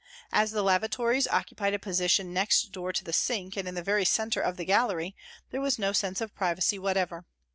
As the lavatories occupied a position next door to the sink and in the very centre of the gallery, there was no sense of privacy whatever.